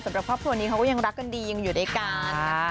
สำหรับครอบครัวนี้เขาก็ยังรักกันดียังอยู่ด้วยกันนะคะ